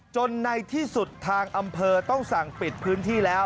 ในที่สุดทางอำเภอต้องสั่งปิดพื้นที่แล้ว